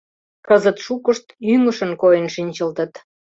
Кызыт шукышт ӱҥышын койын шинчылтыт.